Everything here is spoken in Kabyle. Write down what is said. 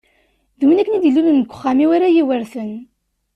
D win akken i d-ilulen deg uxxam-iw ara yi-iweṛten.